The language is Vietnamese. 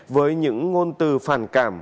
với những ngôn từ phản cảm